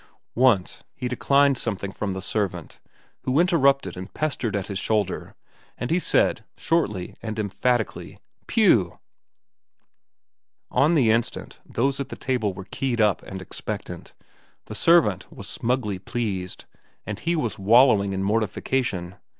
Once, he declined something from the servant who interrupted and pestered at his shoulder, and he said, shortly and emphatically, "Pow!" On the instant those at the table were keyed up and expectant, the servant was smugly pleased, and he was wallowing in mortification.